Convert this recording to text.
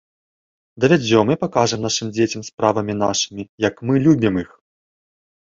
Давядзём і пакажам нашым дзецям справамі нашымі, як мы любім іх.